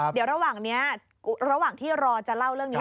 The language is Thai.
เดี๋ยวระหว่างนี้ระหว่างที่รอจะเล่าเรื่องนี้